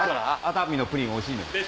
熱海のプリンおいしいのよ。